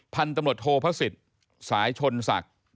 พันธุ์ตำรวจโทษพระศิษย์สายชนศักดิ์